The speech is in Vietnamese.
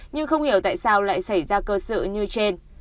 nhưng không hiểu tại sao lại xảy ra cơ sự như trên